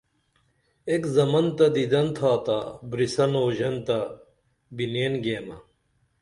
ایک زمن تہ دیدن تھاتا بریسن او ژنتہ بینین گیمہ